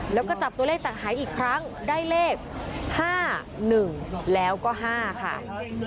แล้วก็จับตัวเลขจากหายอีกครั้งได้เลข๕๑แล้วก็๕ค่ะ